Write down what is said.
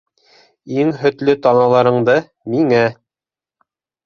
Иң һөтлө таналарыңды... миңә?!.